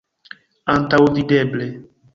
Antaŭvideble.